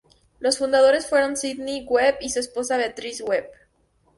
Los fundadores fueron Sidney Webb y su esposa Beatrice Webb.